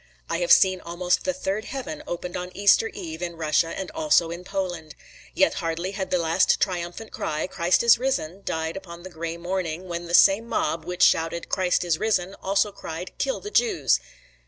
I have seen almost the third heaven opened on Easter eve in Russia and also in Poland. Yet hardly had the last triumphant cry, "Christ is risen" died upon the gray morning, when the same mob which shouted, "Christ is risen," also cried, "Kill the Jews."